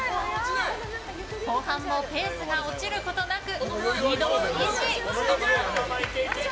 後半もペースが落ちることなくスピードを維持。